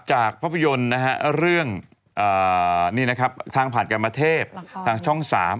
จากภาพยนตร์นะฮะเรื่องนี่นะครับทางผ่านกรรมเทพทางช่อง๓